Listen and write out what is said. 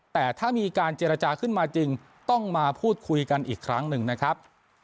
แต่ถ้ามีการเจรจาขึ้นมาจริงต้องมาพูดคุยกันอีกครั้งหนึ่งนะครับ